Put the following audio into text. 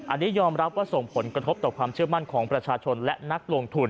อันนี้ยอมรับว่าส่งผลกระทบต่อความเชื่อมั่นของประชาชนและนักลงทุน